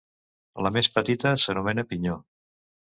La més petita s'anomena pinyó.